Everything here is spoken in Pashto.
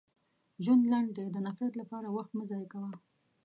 • ژوند لنډ دی، د نفرت لپاره وخت مه ضایع کوه.